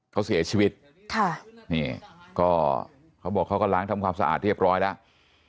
เขาเสียชีวิตค่ะนี่ก็เขาบอกเขาก็ล้างทำความสะอาดเรียบร้อยแล้ว